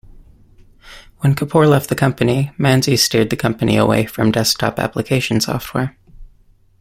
When Kapor left the company, Manzi steered the company away from desktop application software.